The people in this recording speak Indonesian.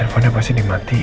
handphonenya pasti dimatiin